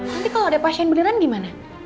nanti kalau ada pasien beneran gimana